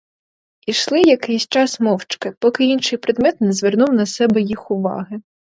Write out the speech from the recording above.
Ішли якийсь час мовчки, поки інший предмет не звернув на себе їх уваги.